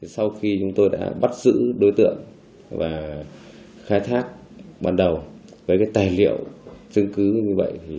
sau khi chúng tôi đã bắt giữ đối tượng và khai thác ban đầu với tài liệu chứng cứ như vậy